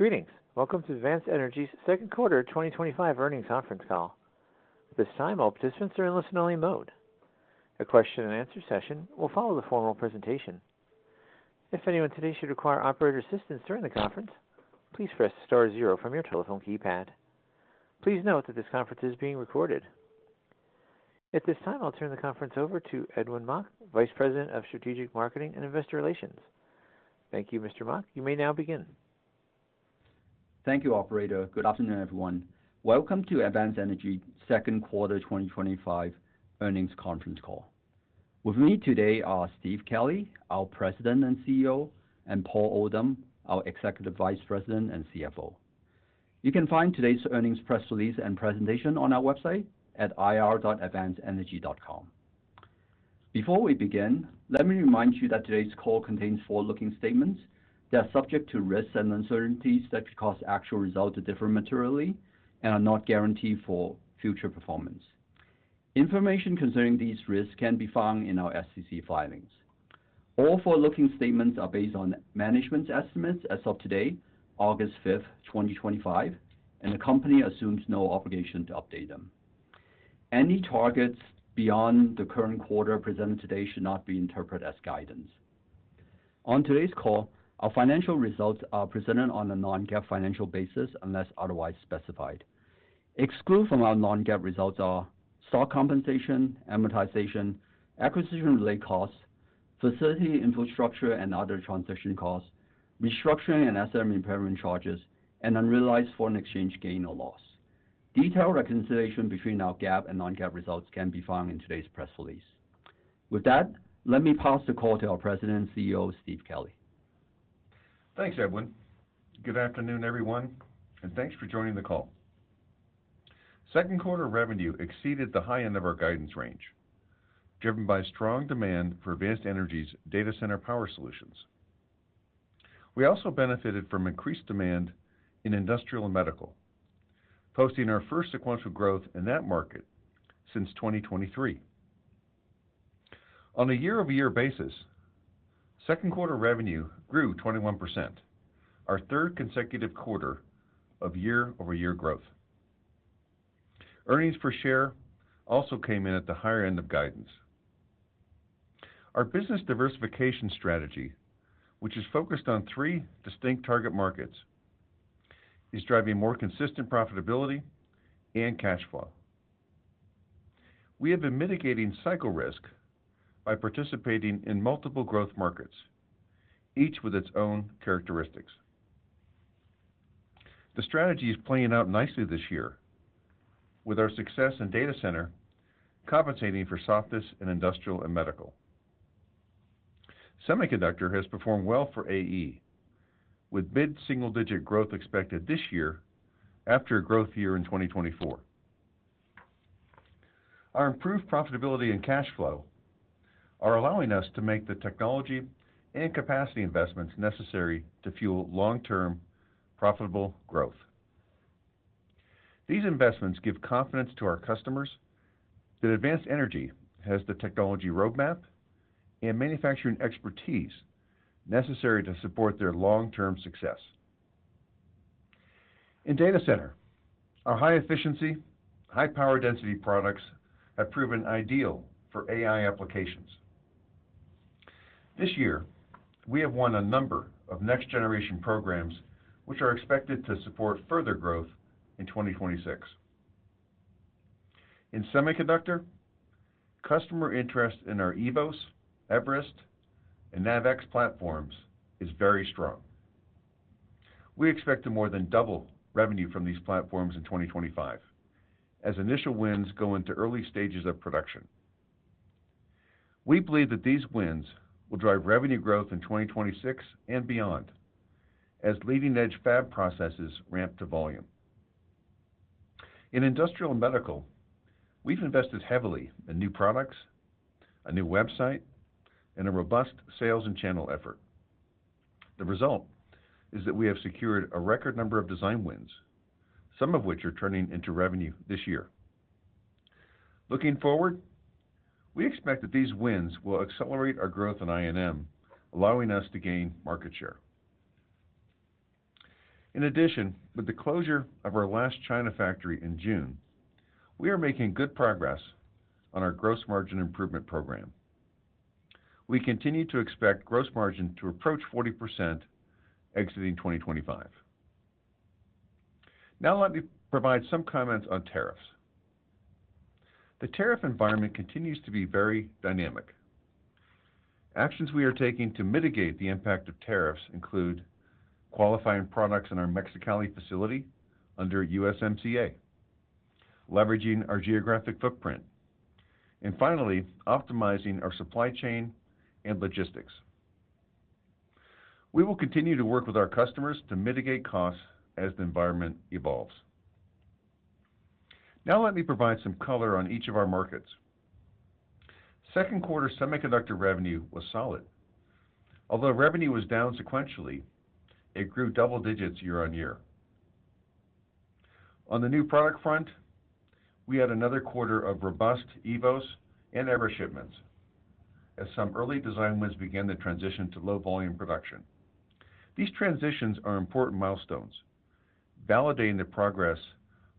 Greetings. Welcome to Advanced Energy's Second Quarter 2025 Earnings Conference Call. At this time, all participants are in listen-only mode. A question and answer session will follow the formal presentation. If anyone today should require operator assistance during the conference, please press star zero from your telephone keypad. Please note that this conference is being recorded. At this time, I'll turn the conference over to Edwin Mok, Vice President of Strategic Marketing and Investor Relations. Thank you, Mr. Mok. You may now begin. Thank you, operator. Good afternoon, everyone. Welcome to Advanced Energy Industries' Second Quarter 2025 Earnings Conference Call. With me today are Steve Kelley, our President and CEO, and Paul Oldham, our Executive Vice President and CFO. You can find today's earnings press release and presentation on our website at ir.advancedenergy.com. Before we begin, let me remind you that today's call contains forward-looking statements that are subject to risks and uncertainties that could cause actual results to differ materially and are not guaranteed for future performance. Information concerning these risks can be found in our SEC filings. All forward-looking statements are based on management's estimates as of today, August 5th, 2025, and the company assumes no obligation to update them. Any targets beyond the current quarter presented today should not be interpreted as guidance. On today's call, our financial results are presented on a non-GAAP financial basis unless otherwise specified. Excluded from our non-GAAP results are stock compensation, amortization, acquisition-related costs, facility infrastructure and other transition costs, restructuring and asset impairment charges, and unrealized foreign exchange gain or loss. Detailed reconciliation between our GAAP and non-GAAP results can be found in today's press release. With that, let me pass the call to our President and CEO, Steve Kelley. Thanks, Edwin. Good afternoon, everyone, and thanks for joining the call. Second quarter revenue exceeded the high end of our guidance range, driven by strong demand for Advanced Energy Industries' data center power solutions. We also benefited from increased demand in industrial and medical, posting our first sequential growth in that market since 2023. On a year-over-year basis, second quarter revenue grew 21%, our third consecutive quarter of year-over-year growth. Earnings per share also came in at the higher end of guidance. Our business diversification strategy, which is focused on three distinct target markets, is driving more consistent profitability and cash flow. We have been mitigating cycle risk by participating in multiple growth markets, each with its own characteristics. The strategy is playing out nicely this year, with our success in data center compensating for softness in industrial and medical. Semiconductor has performed well for AE, with mid-single-digit growth expected this year after a growth year in 2024. Our improved profitability and cash flow are allowing us to make the technology and capacity investments necessary to fuel long-term profitable growth. These investments give confidence to our customers that Advanced Energy has the technology roadmap and manufacturing expertise necessary to support their long-term success. In data center, our high-efficiency, high-power density products have proven ideal for AI applications. This year, we have won a number of next-generation programs, which are expected to support further growth in 2026. In semiconductor, customer interest in our EVOS, eVerest® RF plasma generator, and NAVEX platforms is very strong. We expect to more than double revenue from these platforms in 2025, as initial wins go into early stages of production. We believe that these wins will drive revenue growth in 2026 and beyond, as leading-edge fab processes ramp to volume. In industrial and medical, we've invested heavily in new products, a new website, and a robust sales and channel effort. The result is that we have secured a record number of design wins, some of which are turning into revenue this year. Looking forward, we expect that these wins will accelerate our growth in I&M, allowing us to gain market share. In addition, with the closure of our last China factory in June, we are making good progress on our Gross Margin Improvement Program. We continue to expect gross margin to approach 40% exiting 2025. Now, let me provide some comments on tariffs. The tariff environment continues to be very dynamic. Actions we are taking to mitigate the impact of tariffs include qualifying products in our Mexicali facility under USMCA, leveraging our geographic footprint, and finally, optimizing our supply chain and logistics. We will continue to work with our customers to mitigate costs as the environment evolves. Now, let me provide some color on each of our markets. Second quarter semiconductor revenue was solid. Although revenue was down sequentially, it grew double digits year on year. On the new product front, we had another quarter of robust EVOS and eVerest shipments, as some early design wins began the transition to low-volume production. These transitions are important milestones, validating the progress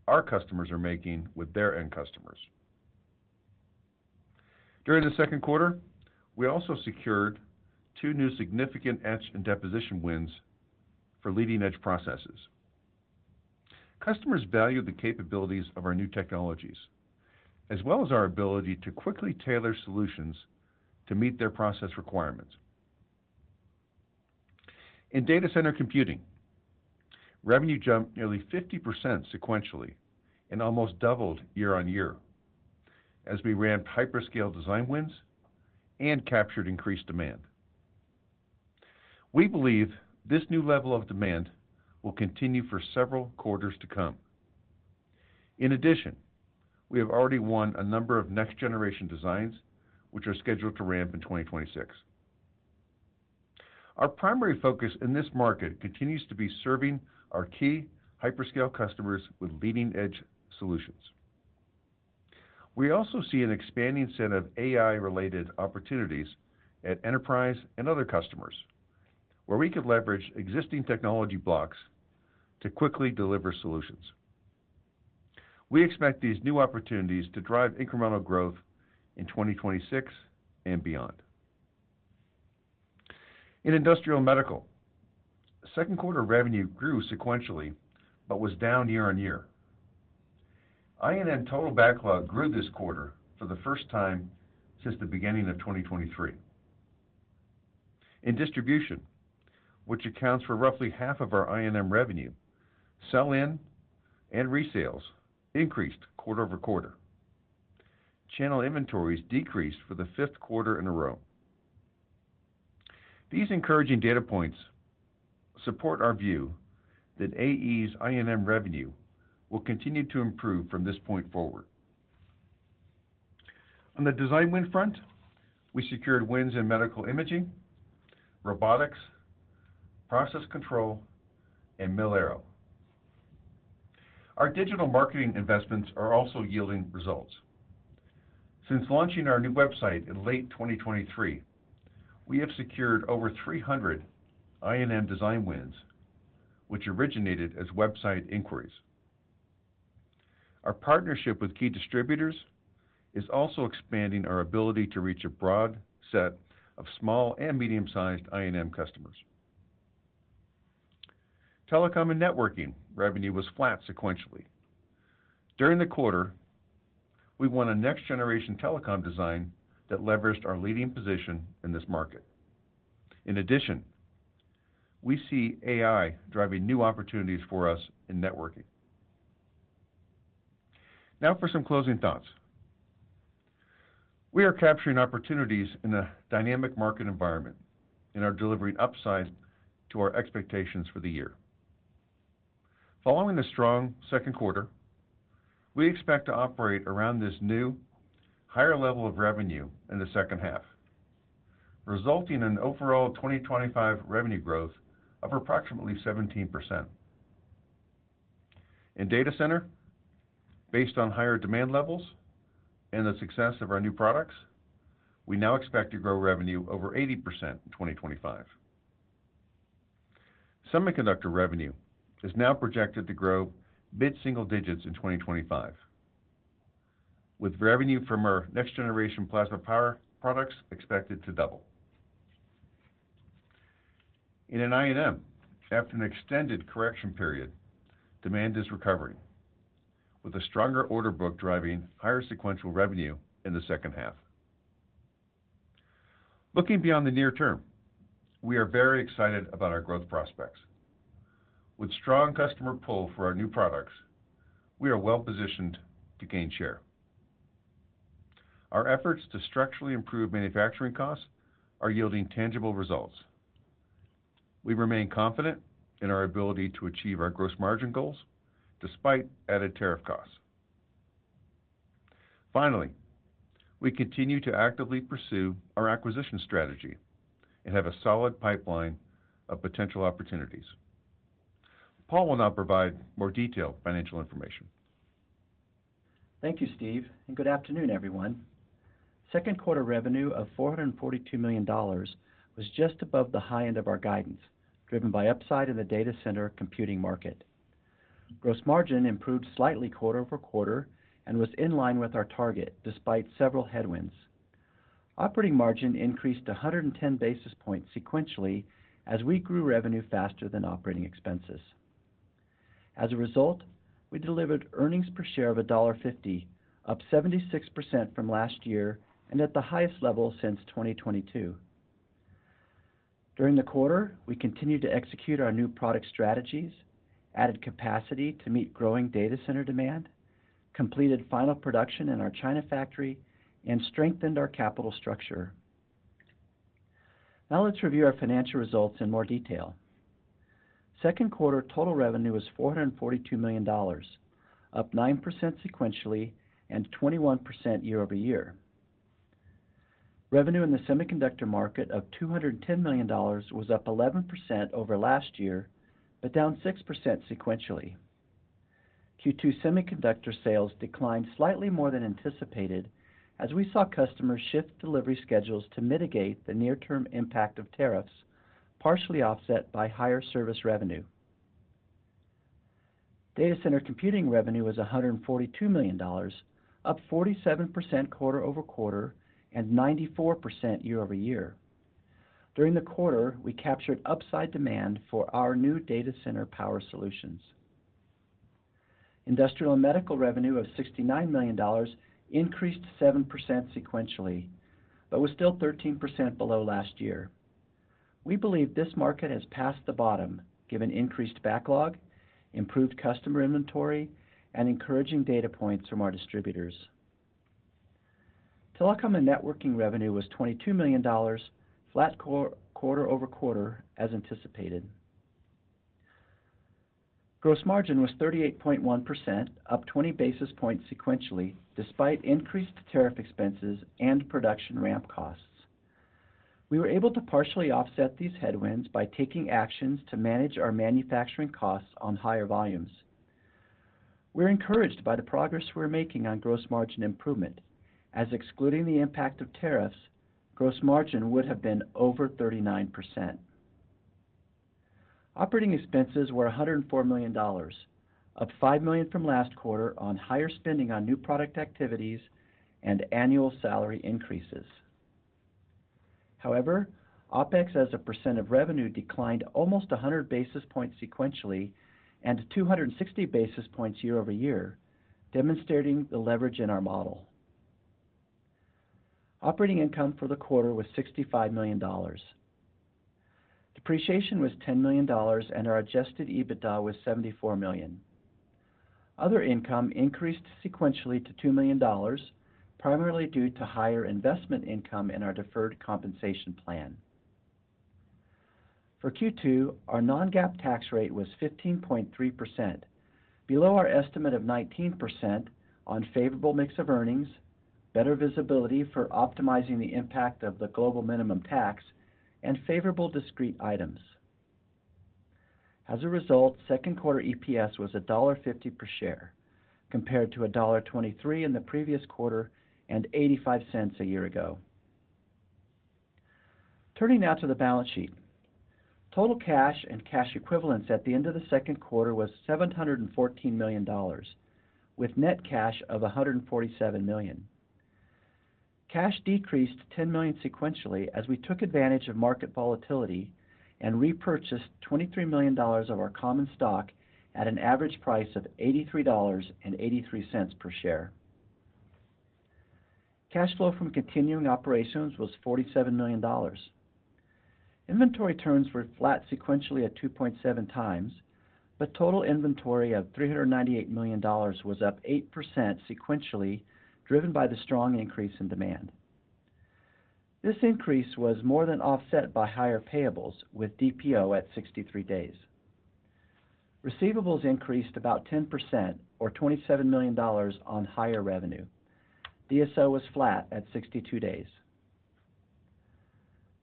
our customers are making with their end customers. During the second quarter, we also secured two new significant etch and deposition wins for leading-edge processes. Customers valued the capabilities of our new technologies, as well as our ability to quickly tailor solutions to meet their process requirements. In data center computing, revenue jumped nearly 50% sequentially and almost doubled year on year, as we ran hyperscale design wins and captured increased demand. We believe this new level of demand will continue for several quarters to come. In addition, we have already won a number of next-generation designs, which are scheduled to ramp in 2026. Our primary focus in this market continues to be serving our key hyperscale customers with leading-edge solutions. We also see an expanding set of AI-related opportunities at enterprise and other customers, where we could leverage existing technology blocks to quickly deliver solutions. We expect these new opportunities to drive incremental growth in 2026 and beyond. In industrial and medical, second quarter revenue grew sequentially but was down year on year. I&M total backlog grew this quarter for the first time since the beginning of 2023. In distribution, which accounts for roughly half of our I&M revenue, sell-in and resales increased quarter-over-quarter. Channel inventories decreased for the fifth quarter in a row. These encouraging data points support our view that AE's I&M revenue will continue to improve from this point forward. On the design win front, we secured wins in medical imaging, robotics, process control, and Millero. Our digital marketing investments are also yielding results. Since launching our new website in late 2023, we have secured over 300 I&M design wins, which originated as website inquiries. Our partnership with key distributors is also expanding our ability to reach a broad set of small and medium-sized I&M customers. Telecom and networking revenue was flat sequentially. During the quarter, we won a next-generation telecom design that leveraged our leading position in this market. In addition, we see AI driving new opportunities for us in networking. Now for some closing thoughts. We are capturing opportunities in a dynamic market environment, and are delivering upside to our expectations for the year. Following the strong second quarter, we expect to operate around this new higher level of revenue in the second half, resulting in an overall 2025 revenue growth of approximately 17%. In data center, based on higher demand levels and the success of our new products, we now expect to grow revenue over 80% in 2025. Semiconductor revenue is now projected to grow mid-single digits in 2025, with revenue from our next-generation plasma power products expected to double. In I&M, after an extended correction period, demand is recovering, with a stronger order book driving higher sequential revenue in the second half. Looking beyond the near term, we are very excited about our growth prospects. With a strong customer pull for our new products, we are well positioned to gain share. Our efforts to structurally improve manufacturing costs are yielding tangible results. We remain confident in our ability to achieve our gross margin goals despite added tariff costs. Finally, we continue to actively pursue our acquisition strategy and have a solid pipeline of potential opportunities. Paul will now provide more detailed financial information. Thank you, Steve, and good afternoon, everyone. Second quarter revenue of $442 million was just above the high end of our guidance, driven by upside in the data center computing market. Gross margin improved slightly quarter-over-quarter and was in line with our target despite several headwinds. Operating margin increased 110 basis points sequentially as we grew revenue faster than operating expenses. As a result, we delivered earnings per share of $1.50, up 76% from last year and at the highest level since 2022. During the quarter, we continued to execute our new product strategies, added capacity to meet growing data center demand, completed final production in our China factory, and strengthened our capital structure. Now let's review our financial results in more detail. Second quarter total revenue was $442 million, up 9% sequentially and 21% year-over-year. Revenue in the semiconductor market of $210 million was up 11% over last year, but down 6% sequentially. Q2 semiconductor sales declined slightly more than anticipated as we saw customers shift delivery schedules to mitigate the near-term impact of tariffs, partially offset by higher service revenue. Data center computing revenue was $142 million, up 47% quarter-over-quarter and 94% year-over-year. During the quarter, we captured upside demand for our new data center power solutions. Industrial and medical revenue of $69 million increased 7% sequentially, but was still 13% below last year. We believe this market has passed the bottom given increased backlog, improved customer inventory, and encouraging data points from our distributors. Telecom and networking revenue was $22 million, flat quarter-over-quarter as anticipated. Gross margin was 38.1%, up 20 basis points sequentially, despite increased tariff expenses and production ramp costs. We were able to partially offset these headwinds by taking actions to manage our manufacturing costs on higher volumes. We're encouraged by the progress we're making on gross margin improvement, as excluding the impact of tariffs, gross margin would have been over 39%. Operating expenses were $104 million, up $5 million from last quarter on higher spending on new product activities and annual salary increases. However, OpEx as a percent of revenue declined almost 100 basis points sequentially and 260 basis points year-over-year, demonstrating the leverage in our model. Operating income for the quarter was $65 million. Depreciation was $10 million, and our adjusted EBITDA was $74 million. Other income increased sequentially to $2 million, primarily due to higher investment income in our deferred compensation plan. For Q2, our non-GAAP tax rate was 15.3%, below our estimate of 19% on favorable mix of earnings, better visibility for optimizing the impact of the global minimum tax, and favorable discrete items. As a result, second quarter EPS was $1.50 per share, compared to $1.23 in the previous quarter and $0.85 a year ago. Turning now to the balance sheet. Total cash and cash equivalents at the end of the second quarter were $714 million, with net cash of $147 million. Cash decreased $10 million sequentially as we took advantage of market volatility and repurchased $23 million of our common stock at an average price of $83.83 per share. Cash flow from continuing operations was $47 million. Inventory turns were flat sequentially at 2.7x, but total inventory of $398 million was up 8% sequentially, driven by the strong increase in demand. This increase was more than offset by higher payables, with DPO at 63 days. Receivables increased about 10%, or $27 million on higher revenue. DSO was flat at 62 days.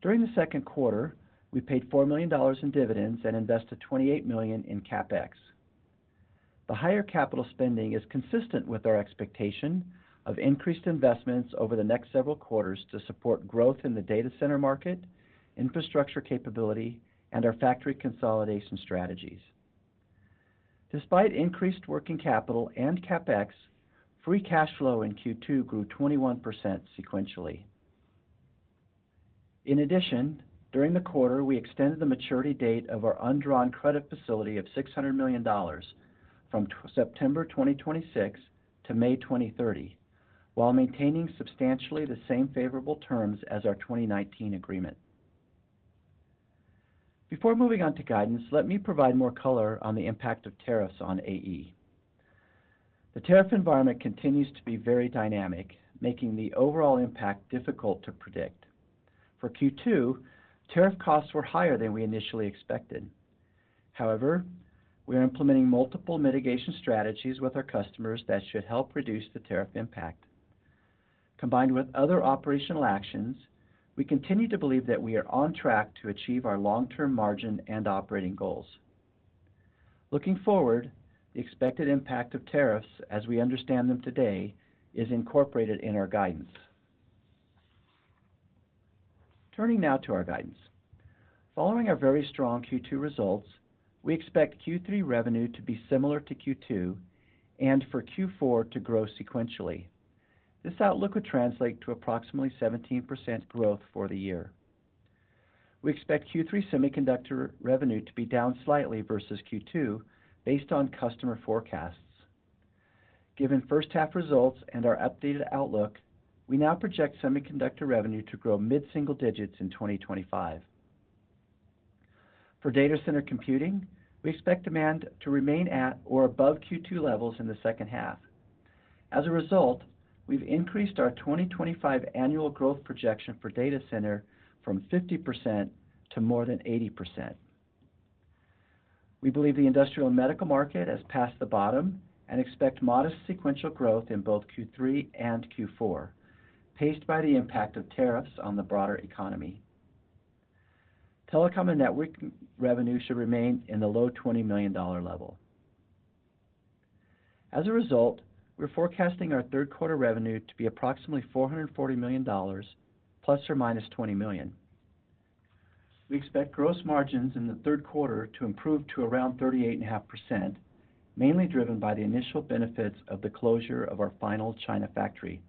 During the second quarter, we paid $4 million in dividends and invested $28 million in CapEx. The higher capital spending is consistent with our expectation of increased investments over the next several quarters to support growth in the data center market, infrastructure capability, and our factory consolidation strategies. Despite increased working capital and CapEx, free cash flow in Q2 grew 21% sequentially. In addition, during the quarter, we extended the maturity date of our undrawn credit facility of $600 million from September 2026 to May 2030, while maintaining substantially the same favorable terms as our 2019 agreement. Before moving on to guidance, let me provide more color on the impact of tariffs on AE. The tariff environment continues to be very dynamic, making the overall impact difficult to predict. For Q2, tariff costs were higher than we initially expected. However, we are implementing multiple mitigation strategies with our customers that should help reduce the tariff impact. Combined with other operational actions, we continue to believe that we are on track to achieve our long-term margin and operating goals. Looking forward, the expected impact of tariffs as we understand them today is incorporated in our guidance. Turning now to our guidance. Following our very strong Q2 results, we expect Q3 revenue to be similar to Q2 and for Q4 to grow sequentially. This outlook would translate to approximately 17% growth for the year. We expect Q3 semiconductor revenue to be down slightly versus Q2 based on customer forecasts. Given first-half results and our updated outlook, we now project semiconductor revenue to grow mid-single digits in 2025. For data center computing, we expect demand to remain at or above Q2 levels in the second half. As a result, we've increased our 2025 annual growth projection for data center from 50% to more than 80%. We believe the industrial and medical market has passed the bottom and expect modest sequential growth in both Q3 and Q4, paced by the impact of tariffs on the broader economy. Telecom and networking revenue should remain in the low $20 million level. As a result, we're forecasting our third quarter revenue to be approximately $440 million, ±$20 million. We expect gross margins in the third quarter to improve to around 38.5%, mainly driven by the initial benefits of the closure of our final China factory.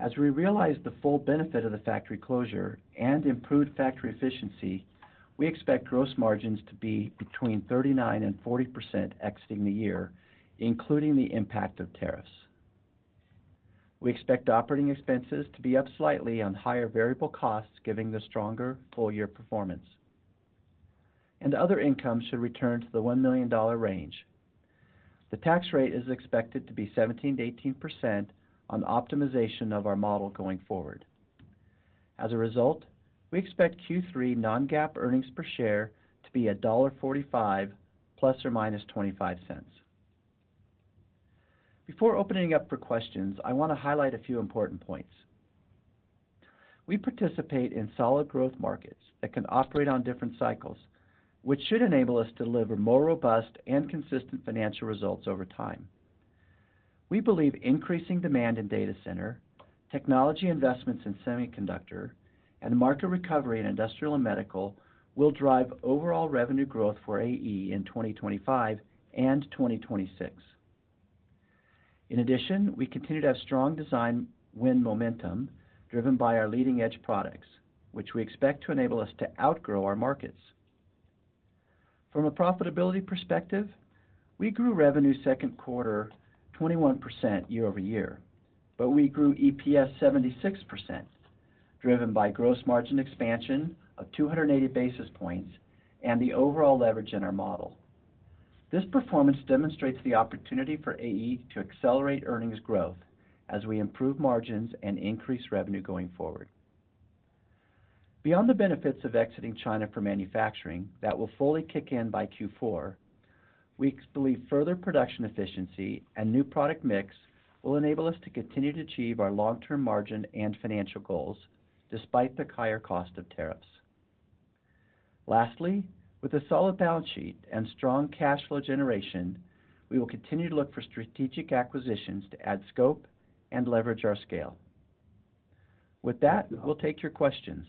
As we realize the full benefit of the factory closure and improved factory efficiency, we expect gross margins to be between 39% and 40% exiting the year, including the impact of tariffs. We expect operating expenses to be up slightly on higher variable costs, given the stronger full-year performance. Other income should return to the $1 million range. The tax rate is expected to be 17%-18% on optimization of our model going forward. As a result, we expect Q3 non-GAAP earnings per share to be $1.45, ± $0.25. Before opening up for questions, I want to highlight a few important points. We participate in solid growth markets that can operate on different cycles, which should enable us to deliver more robust and consistent financial results over time. We believe increasing demand in data center, technology investments in semiconductor, and market recovery in industrial and medical will drive overall revenue growth for Advanced Energy Industries in 2025 and 2026. In addition, we continue to have strong design win momentum driven by our leading-edge products, which we expect to enable us to outgrow our markets. From a profitability perspective, we grew revenue second quarter 21% year-over-year, but we grew EPS 76%, driven by gross margin expansion of 280 basis points and the overall leverage in our model. This performance demonstrates the opportunity for AE to accelerate earnings growth as we improve margins and increase revenue going forward. Beyond the benefits of exiting China for manufacturing that will fully kick in by Q4, we believe further production efficiency and new product mix will enable us to continue to achieve our long-term margin and financial goals, despite the higher cost of tariffs. Lastly, with a solid balance sheet and strong cash flow generation, we will continue to look for strategic acquisitions to add scope and leverage our scale. With that, we'll take your questions.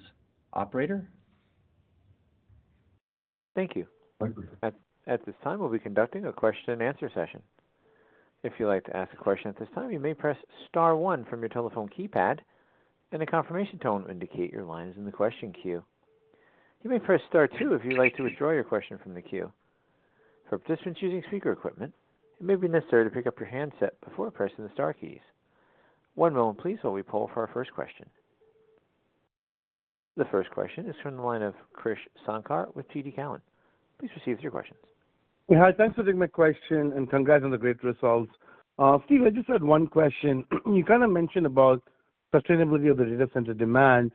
Operator? Thank you. At this time, we'll be conducting a question and answer session. If you'd like to ask a question at this time, you may press star one from your telephone keypad, and a confirmation tone will indicate your line is in the question queue. You may press star two if you'd like to withdraw your question from the queue. For participants using speaker equipment, it may be necessary to pick up your handset before pressing the star keys. One moment, please, while we pull for our first question. The first question is from the line of Krish Sankar with TD Cowen. Please proceed with your questions. Hi, thanks for taking my question and congrats on the great results. I've registered one question. You kind of mentioned about sustainability of the data center demand.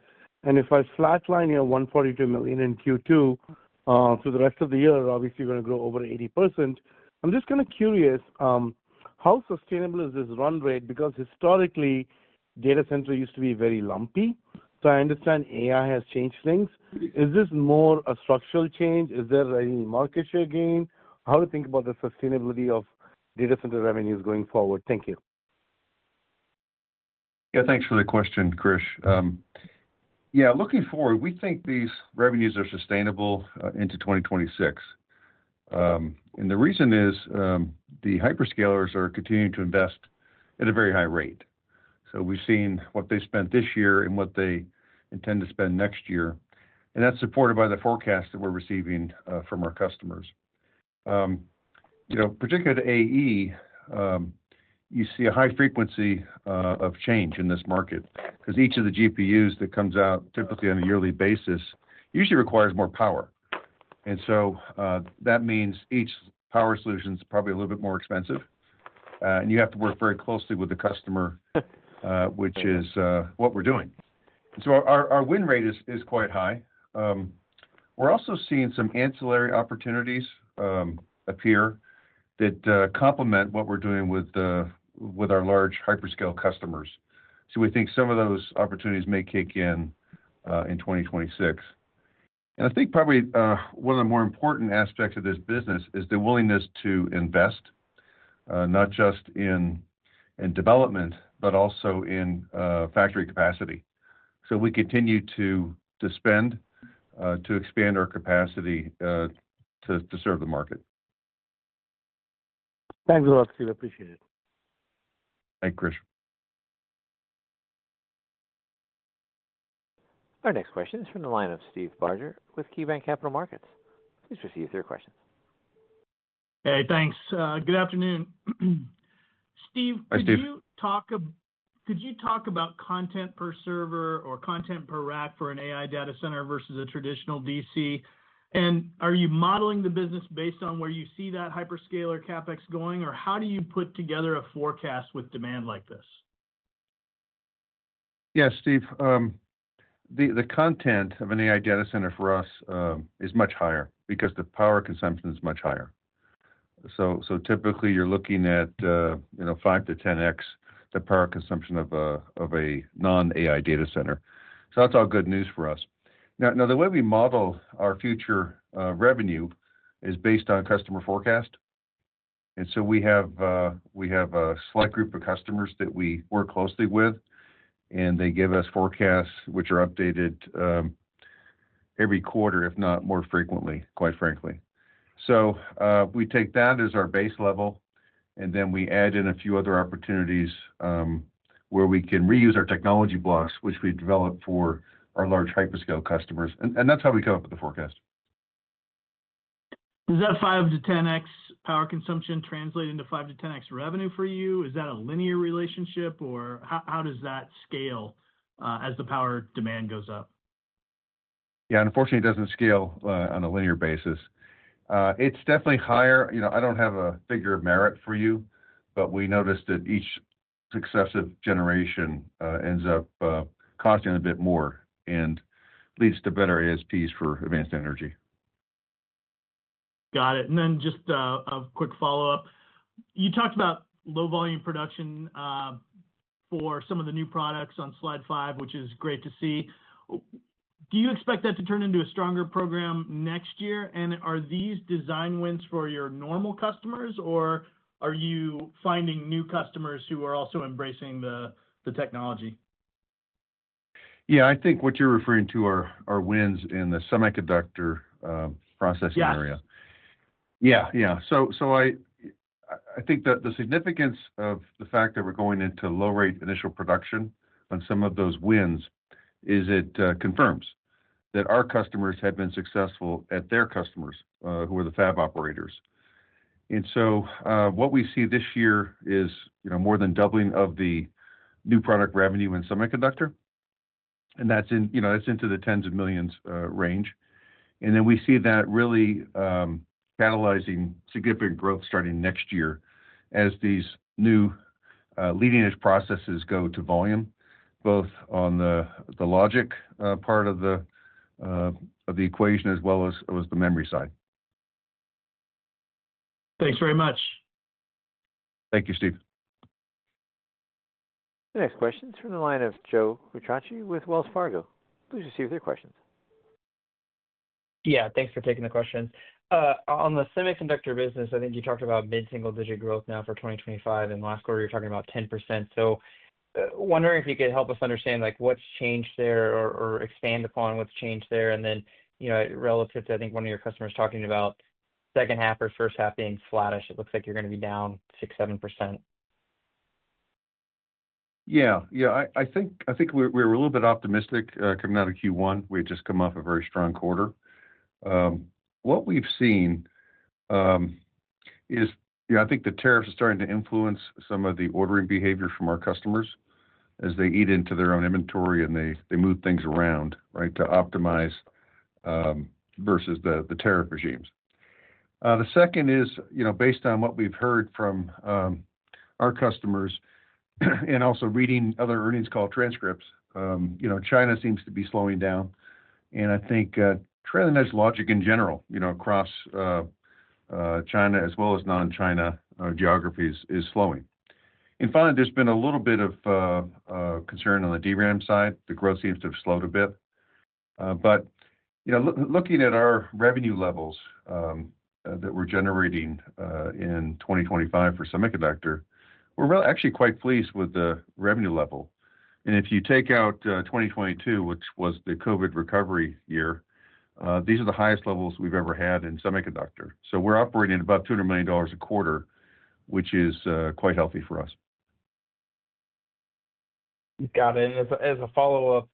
If I flatline your $142 million in Q2 through the rest of the year, obviously you're going to grow over 80%. I'm just kind of curious, how sustainable is this run rate? Historically, data center used to be very lumpy. I understand AI has changed things. Is this more a structural change? Is there any market share gain? How do you think about the sustainability of data center revenues going forward? Thank you. Yeah, thanks for the question, Krish. Looking forward, we think these revenues are sustainable into 2026. The reason is the hyperscalers are continuing to invest at a very high rate. We've seen what they spent this year and what they intend to spend next year, and that's supported by the forecast that we're receiving from our customers. Particularly at AE you see a high frequency of change in this market because each of the GPUs that comes out typically on a yearly basis usually requires more power. That means each power solution is probably a little bit more expensive, and you have to work very closely with the customer, which is what we're doing. Our win rate is quite high. We're also seeing some ancillary opportunities appear that complement what we're doing with our large hyperscale customers. We think some of those opportunities may kick in in 2026. I think probably one of the more important aspects of this business is the willingness to invest, not just in development, but also in factory capacity. We continue to spend to expand our capacity to serve the market. Thanks a lot, Steve. Appreciate it. Thank you, Krish. Our next question is from the line of Steve Barger with KeyBanc Capital Markets. Please proceed with your questions. Hey, thanks. Good afternoon. Steve, could you talk about content per server or content per rack for an AI data center versus a traditional DC? Are you modeling the business based on where you see that hyperscaler CapEx going, or how do you put together a forecast with demand like this? Yes, Steve. The content of an AI data center for us is much higher because the power consumption is much higher. Typically, you're looking at 5x-10x the power consumption of a non-AI data center. That's all good news for us. The way we model our future revenue is based on customer forecast. We have a select group of customers that we work closely with, and they give us forecasts which are updated every quarter, if not more frequently, quite frankly. We take that as our base level, and then we add in a few other opportunities where we can reuse our technology blocks, which we develop for our large hyperscale customers. That's how we come up with the forecast. Does that 5x-10x power consumption translate into 5x-10x revenue for you? Is that a linear relationship, or how does that scale as the power demand goes up? Yeah, unfortunately, it doesn't scale on a linear basis. It's definitely higher. I don't have a figure of merit for you, but we noticed that each successive generation ends up costing a bit more and leads to better ASPs for Advanced Energy Industries. Got it. Just a quick follow-up. You talked about low-volume production for some of the new products on slide five, which is great to see. Do you expect that to turn into a stronger program next year? Are these design wins for your normal customers, or are you finding new customers who are also embracing the technology? I think what you're referring to are wins in the semiconductor processing area. I think the significance of the fact that we're going into low-rate initial production on some of those wins is it confirms that our customers had been successful at their customers, who are the fab operators. What we see this year is more than doubling of the new product revenue in semiconductor, and that's into the 10s of millions range. We see that really catalyzing significant growth starting next year as these new leading-edge processes go to volume, both on the logic part of the equation as well as the memory side. Thanks very much. Thank you, Steve. The next question is from the line of Joe Quatrochi with Wells Fargo. Please proceed with your questions. Yeah, thanks for taking the question. On the semiconductor business, I think you talked about mid-single-digit growth now for 2025. In the last quarter, you were talking about 10%. I'm wondering if you could help us understand what's changed there or expand upon what's changed there. Then, relative to, I think, one of your customers talking about second half or first half being flattish, it looks like you're going to be down 6%-7%. Yeah, I think we're a little bit optimistic coming out of Q1. We had just come off a very strong quarter. What we've seen is, I think the tariffs are starting to influence some of the ordering behavior from our customers as they eat into their own inventory and they move things around, right, to optimize versus the tariff regimes. The second is, based on what we've heard from our customers and also reading other earnings call transcripts, China seems to be slowing down. I think transit logic in general, across China as well as non-China geographies, is slowing. Finally, there's been a little bit of concern on the DRAM side. The growth seems to have slowed a bit. Looking at our revenue levels that we're generating in 2025 for semiconductor, we're actually quite pleased with the revenue level. If you take out 2022, which was the COVID recovery year, these are the highest levels we've ever had in semiconductor. We're operating at about $200 million a quarter, which is quite healthy for us. Got it. As a follow-up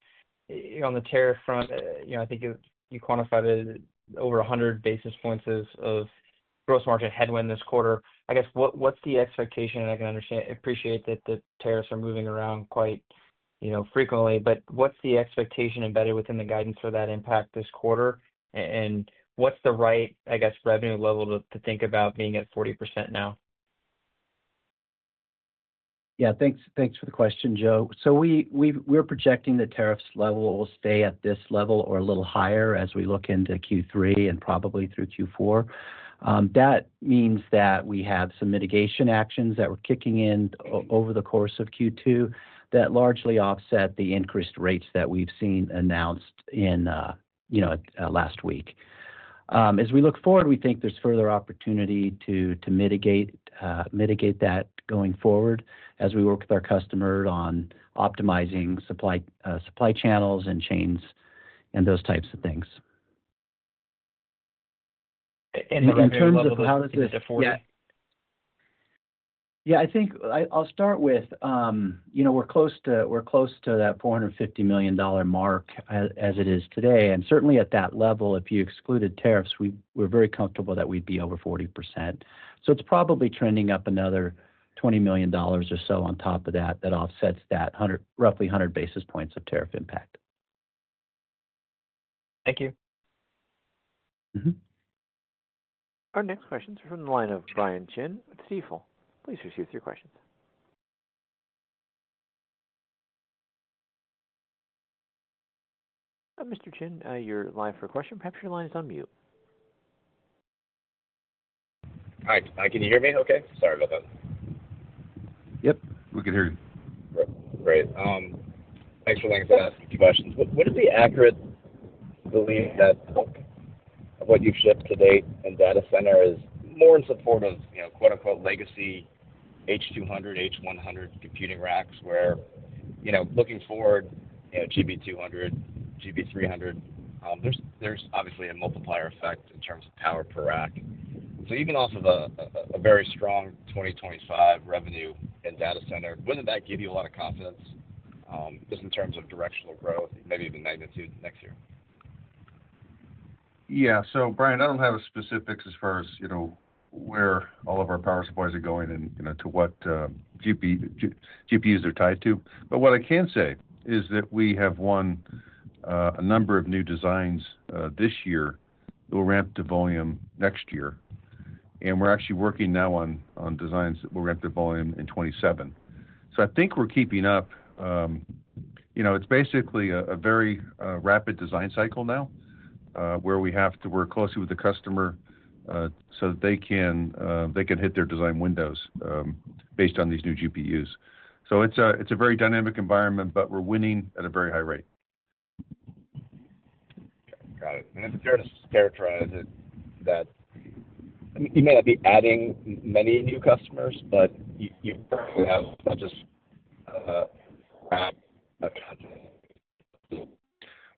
on the tariff front, I think you quantified it over 100 basis points of gross margin headwind this quarter. What's the expectation? I can understand, appreciate that the tariffs are moving around quite frequently. What's the expectation embedded within the guidance for that impact this quarter? What's the right revenue level to think about being at 40% now? Yeah, thanks for the question, Joe. We're projecting the tariffs level will stay at this level or a little higher as we look into Q3 and probably through Q4. That means that we have some mitigation actions that were kicking in over the course of Q2 that largely offset the increased rates that we've seen announced last week. As we look forward, we think there's further opportunity to mitigate that going forward as we work with our customers on optimizing supply channels and chains and those types of things. How does this affect? I think I'll start with, you know, we're close to that $450 million mark as it is today. Certainly at that level, if you excluded tariffs, we're very comfortable that we'd be over 40%. It's probably trending up another $20 million or so on top of that that offsets that roughly 100 basis points of tariff impact. Thank you. Our next question is from the line of Brian Chin with Stifel. Please proceed with your questions. Mr. Chin, you're live for a question. Perhaps your line is on mute. Hi, can you hear me okay? Sorry about that. Yep. We can hear you. Great, thanks for the questions. What is the accurate belief that what you've shifted to date in data center is more in support of, you know, "legacy H200, H100 computing racks" where, you know, looking forward, you know, GB200, GB300, there's obviously a multiplier effect in terms of power per rack. Even off of a very strong 2025 revenue in data center, wouldn't that give you a lot of confidence just in terms of directional growth, maybe even magnitude next year? Yeah. Brian, I don't have specifics as far as where all of our power supplies are going and to what GPUs they are tied to. What I can say is that we have won a number of new designs this year that will ramp to volume next year. We're actually working now on designs that will ramp to volume in 2027. I think we're keeping up. It's basically a very rapid design cycle now where we have to work closely with the customer so that they can hit their design windows based on these new GPUs. It's a very dynamic environment, but we're winning at a very high rate. Got it. If you were to characterize it, you may not be adding many new customers, but you probably have plans.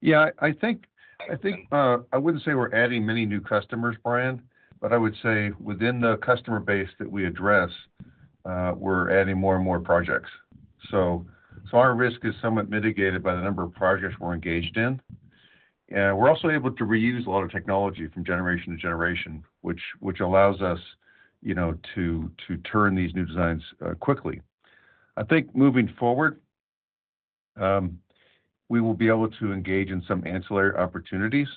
Yeah, I think I wouldn't say we're adding many new customers, Brian, but I would say within the customer base that we address, we're adding more and more projects. Our risk is somewhat mitigated by the number of projects we're engaged in. We're also able to reuse a lot of technology from generation to generation, which allows us, you know, to turn these new designs quickly. I think moving forward, we will be able to engage in some ancillary opportunities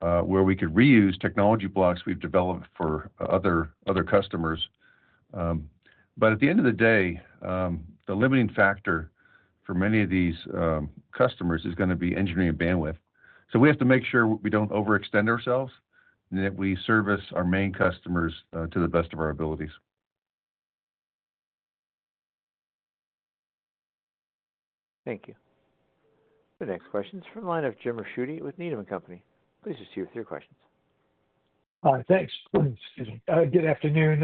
where we could reuse technology blocks we've developed for other customers. At the end of the day, the limiting factor for many of these customers is going to be engineering bandwidth. We have to make sure we don't overextend ourselves and that we service our main customers to the best of our abilities. Thank you. The next question is from the line of Jim Ricchiuti with Needham & Company. Please proceed with your questions. Hi, thanks. Good afternoon.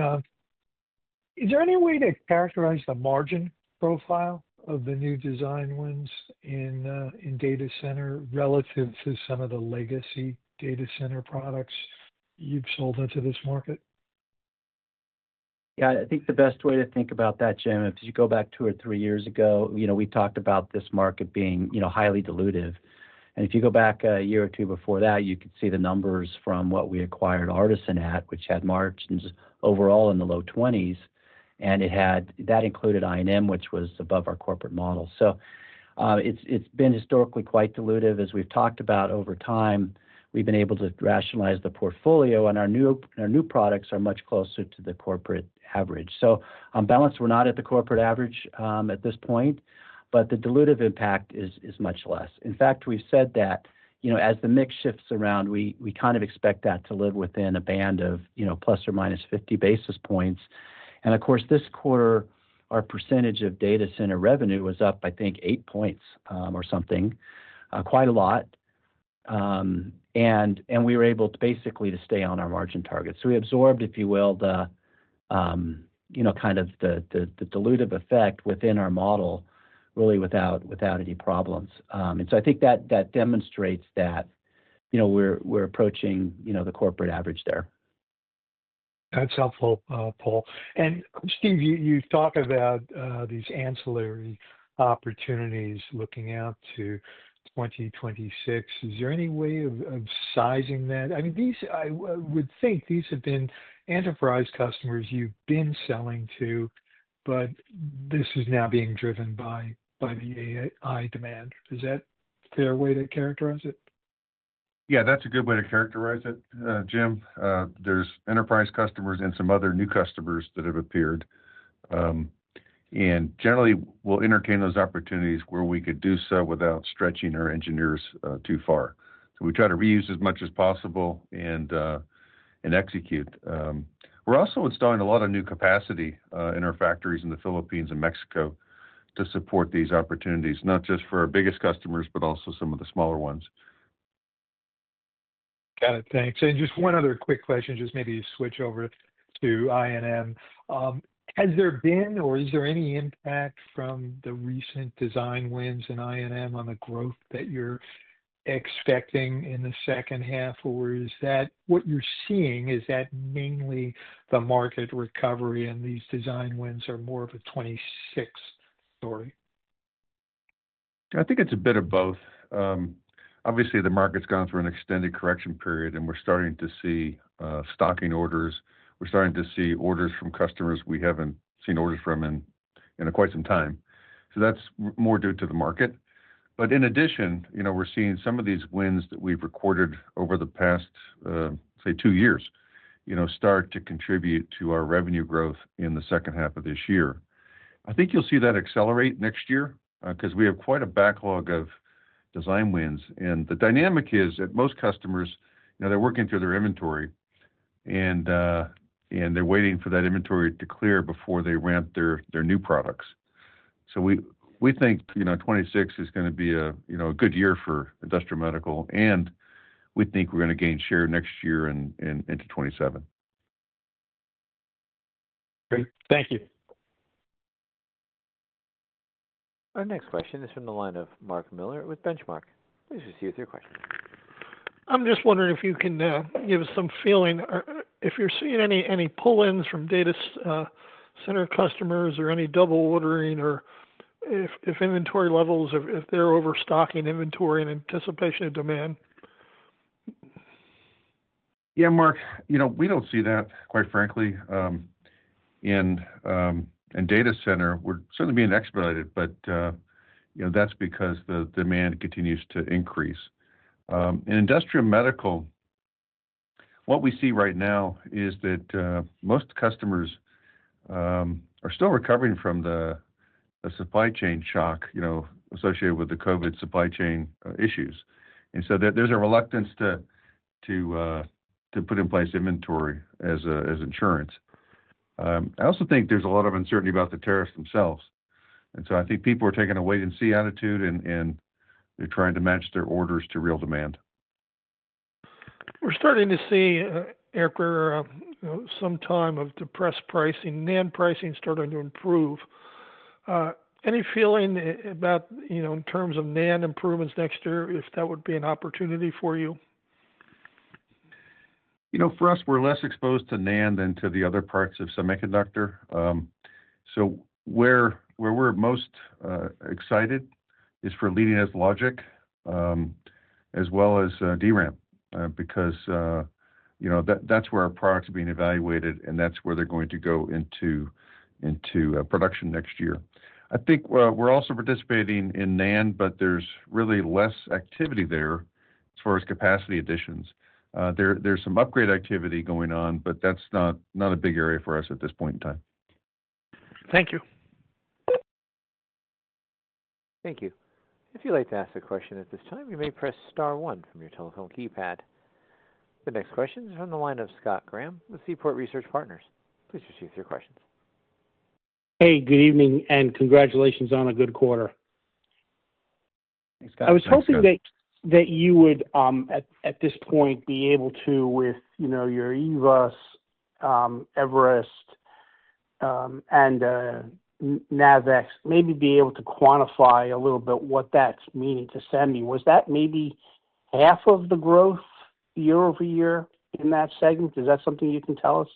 Is there any way to characterize the margin profile of the new design wins in data center relative to some of the legacy data center products you've sold into this market? Yeah, I think the best way to think about that, Jim, if you go back two or three years ago, you know, we talked about this market being highly dilutive. If you go back a year or two before that, you could see the numbers from what we acquired Artisan at, which had margins overall in the low 20s. It had that included I&M, which was above our corporate model. It's been historically quite dilutive. As we've talked about over time, we've been able to rationalize the portfolio and our new products are much closer to the corporate average. On balance, we're not at the corporate average at this point, but the dilutive impact is much less. In fact, we've said that as the mix shifts around, we kind of expect that to live within a band of ± 50 basis points. This quarter, our percentage of data center revenue was up, I think, eight points or something, quite a lot. We were able to basically stay on our margin target. We absorbed, if you will, the kind of the dilutive effect within our model, really without any problems. I think that demonstrates that we're approaching the corporate average there. That's helpful, Paul. Steve, you talk about these ancillary opportunities looking out to 2026. Is there any way of sizing that? I would think these have been enterprise customers you've been selling to, but this is now being driven by the AI demand. Is that a fair way to characterize it? Yeah, that's a good way to characterize it, Jim. There are enterprise customers and some other new customers that have appeared. Generally, we'll entertain those opportunities where we could do so without stretching our engineers too far. We try to reuse as much as possible and execute. We're also installing a lot of new capacity in our factories in the Philippines and Mexico to support these opportunities, not just for our biggest customers, but also some of the smaller ones. Got it. Thanks. Just one other quick question, maybe you switch over to I&M. Has there been, or is there any impact from the recent design wins in I&M on the growth that you're expecting in the second half, or is that what you're seeing? Is that mainly the market recovery and these design wins are more of a 2026 story? I think it's a bit of both. Obviously, the market's gone through an extended correction period, and we're starting to see stocking orders. We're starting to see orders from customers we haven't seen orders from in quite some time. That's more due to the market. In addition, we're seeing some of these wins that we've recorded over the past, say, two years start to contribute to our revenue growth in the second half of this year. I think you'll see that accelerate next year because we have quite a backlog of design wins. The dynamic is that most customers are working through their inventory, and they're waiting for that inventory to clear before they ramp their new products. We think 2026 is going to be a good year for industrial and medical, and we think we're going to gain share next year into 2027. Great. Thank you. Our next question is from the line of Mark Miller with Benchmark. Please proceed with your question. I'm just wondering if you can give us some feeling if you're seeing any pull-ins from data center customers or any double ordering, or if inventory levels, if they're overstocking inventory in anticipation of demand. Yeah, Mark, we don't see that, quite frankly. In data center, we're certainly being expedited, but that's because the demand continues to increase. In industrial medical, what we see right now is that most customers are still recovering from the supply chain shock associated with the COVID supply chain issues. There's a reluctance to put in place inventory as insurance. I also think there's a lot of uncertainty about the tariffs themselves. I think people are taking a wait-and-see attitude, and they're trying to match their orders to real demand. We're starting to see some time of depressed pricing. NAND pricing is starting to improve. Any feeling about, you know, in terms of NAND improvements next year, if that would be an opportunity for you? You know, for us, we're less exposed to NAND than to the other parts of semiconductor. Where we're most excited is for leading-edge logic as well as DRAM because, you know, that's where our products are being evaluated, and that's where they're going to go into production next year. I think we're also participating in NAND, but there's really less activity there as far as capacity additions. There's some upgrade activity going on, but that's not a big area for us at this point in time. Thank you. Thank you. If you'd like to ask a question at this time, you may press star one from your telephone keypad. The next question is from the line of Scott Graham with Seaport Research Partners. Please proceed with your questions. Hey, good evening, and congratulations on a good quarter. I was hoping that you would, at this point, be able to, with your EVOS, eVerest, and NAVEX, maybe be able to quantify a little bit what that's meaning to SEMI. Was that maybe half of the growth year-over-year in that segment? Is that something you can tell us?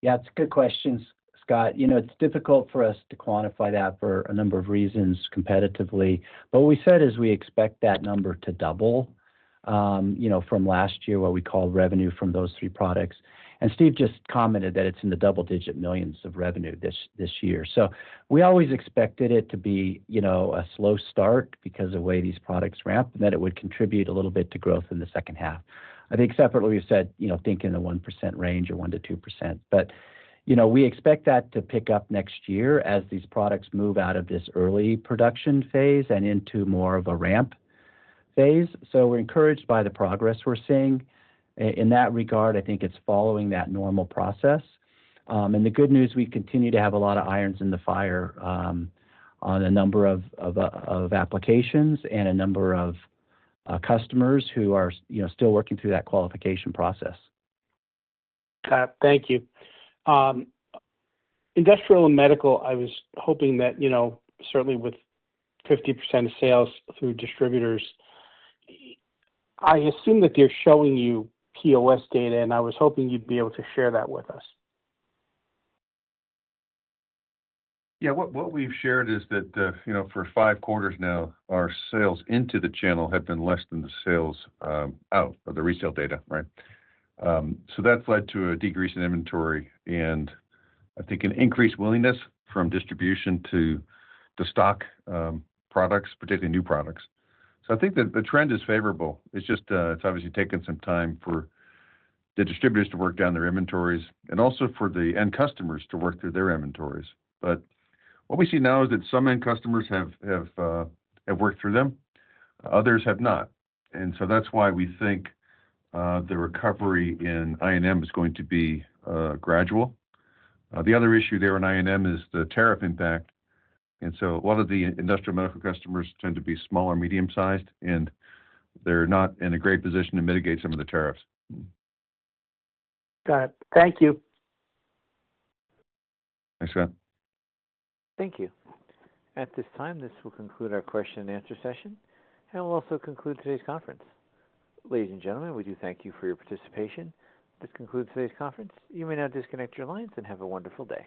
Yeah, it's a good question, Scott. It's difficult for us to quantify that for a number of reasons competitively. What we said is we expect that number to double from last year, what we call revenue from those three products. Steve just commented that it's in the double-digit millions of revenue this year. We always expected it to be a slow start because of the way these products ramp, and that it would contribute a little bit to growth in the second half. I think separately, we said think in the 1% range or 1%-2%. We expect that to pick up next year as these products move out of this early production phase and into more of a ramp phase. We're encouraged by the progress we're seeing. In that regard, I think it's following that normal process. The good news, we continue to have a lot of irons in the fire on a number of applications and a number of customers who are still working through that qualification process. Got it. Thank you. Industrial and medical, I was hoping that, you know, certainly with 50% of sales through distributors, I assume that they're showing you POS data, and I was hoping you'd be able to share that with us. Yeah, what we've shared is that, you know, for five quarters now, our sales into the channel have been less than the sales out of the resale data, right? That's led to a decrease in inventory, and I think an increased willingness from distribution to stock products, particularly new products. I think that the trend is favorable. It's obviously taken some time for the distributors to work down their inventories and also for the end customers to work through their inventories. What we see now is that some end customers have worked through them, others have not. That's why we think the recovery in I&M is going to be gradual. The other issue there in I&M is the tariff impact. A lot of the industrial and medical customers tend to be small or medium-sized, and they're not in a great position to mitigate some of the tariffs. Got it. Thank you. Thanks, Matt. Thank you. At this time, this will conclude our question and answer session. We'll also conclude today's conference. Ladies and gentlemen, we do thank you for your participation. This concludes today's conference. You may now disconnect your lines and have a wonderful day.